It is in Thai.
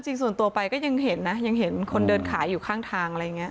จริงส่วนตัวไปก็ยังเห็นนะยังเห็นคนเดินขายอยู่ข้างทางอะไรอย่างนี้